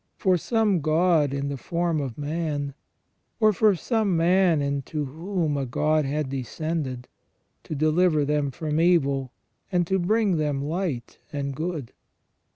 1 1 1 for some god in the form of man, or for some man into whom a god had descended, to deliver them from evil, and to bring them light and good.